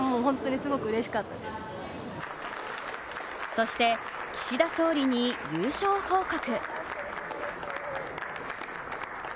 そして岸田総理に優勝報告。